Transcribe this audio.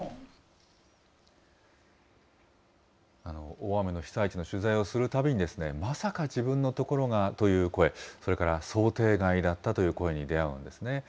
大雨の被災地の取材をするたびに、まさか自分の所がという声、それから想定外だったという声に出会うんですね。